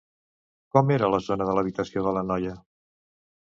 Com era la zona de l'habitació de la noia?